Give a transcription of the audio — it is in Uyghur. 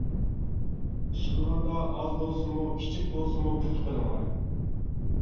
ئىش قىلغاندا ئاز بولسىمۇ، كىچىك بولسىمۇ پۇختا قىلىڭلار.